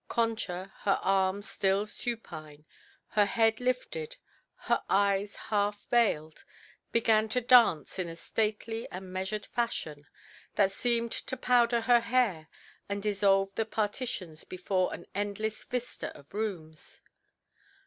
Concha, her arms still supine, her head lifted, her eyes half veiled, began to dance in a stately and measured fashion that seemed to powder her hair and dissolve the partitions before an endless vista of rooms.